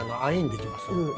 できます。